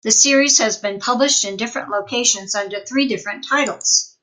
The series has been published in different locations under three different titles.